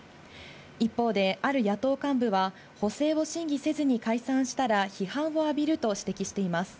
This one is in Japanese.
一方で、ある野党幹部は補正を審議せずに解散したら、批判をあびると指摘しています。